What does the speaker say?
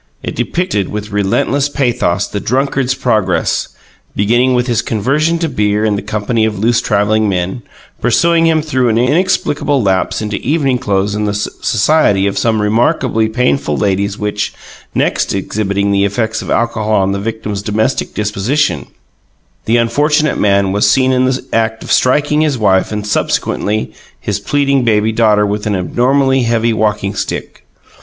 It depicted with relentless pathos the drunkard's progress; beginning with his conversion to beer in the company of loose travelling men; pursuing him through an inexplicable lapse into evening clothes and the society of some remarkably painful ladies, next, exhibiting the effects of alcohol on the victim's domestic disposition, the unfortunate man was seen in the act of striking his wife and, subsequently, his pleading baby daughter with an abnormally heavy walking stick.